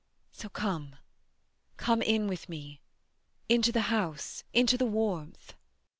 So come come in with me into the house, into the warmth.